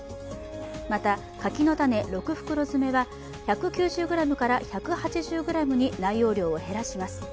また、柿の種６袋詰は１９０ｇから１８０ｇに内容量を減らします。